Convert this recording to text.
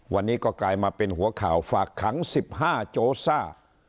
วันนี้ก็กลายมาเป็นหัวข่าวฝากขัง๑๕โจซ่า